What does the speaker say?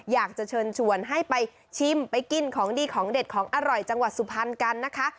อยากจะเชิญชวนให้ไปชิมไปกินของดีของเด็ดของอร่อยจังหวัดสุพรรณกันนะคะ